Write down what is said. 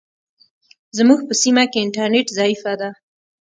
زموږ په سیمه کې انټرنیټ ضعیفه ده.